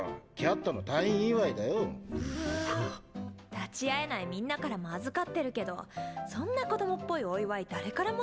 立ち会えないみんなからも預かってるけどそんな子供っぽいお祝い誰からもないよ。